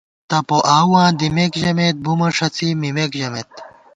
تپو آؤواں دمېک ژمېت، بُومہ ݭڅی مِمېک ژمېت